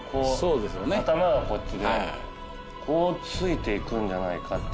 頭がこっちでこう付いていくんじゃないかって。